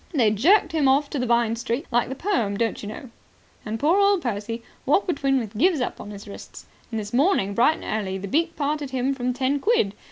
They jerked him off to Vine Street. Like the poem, don't you know. 'And poor old Percy walked between with gyves upon his wrists.' And this morning, bright and early, the beak parted him from ten quid.